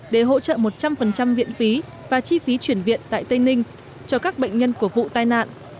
để hỗ trợ một trăm linh viện phí và chi phí chuyển viện tại tây ninh cho các bệnh nhân của vụ tai nạn